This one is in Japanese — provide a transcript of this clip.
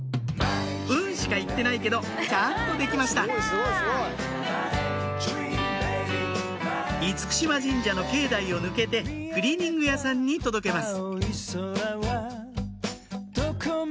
「うん」しか言ってないけどちゃんとできました嚴島神社の境内を抜けてクリーニング屋さんに届けます